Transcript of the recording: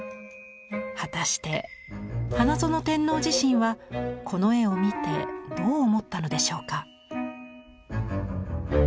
果たして花園天皇自身はこの絵を見てどう思ったのでしょうか。